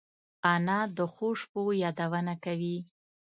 انا د ښو شپو یادونه کوي